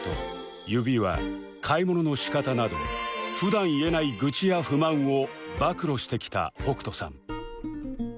指輪買い物のしかたなど普段言えない愚痴や不満を暴露してきた北斗さん